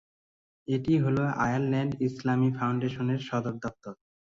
এটিই হল আয়ারল্যান্ড ইসলামী ফাউন্ডেশনের সদর দফতর।